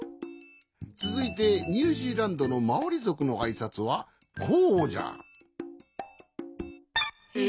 つづいてニュージーランドのマオリぞくのあいさつはこうじゃ。え？